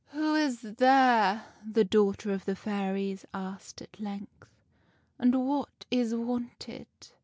"' Who is there ?' the daughter of the fairies asked at length, ' and what is wanted